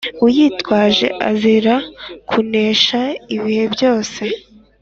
Uyitwaje azira kuneshwa ibihe byose